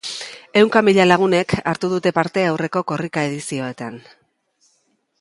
Ehunka mila lagunek hartu dute parte aurreko Korrika edizioetan.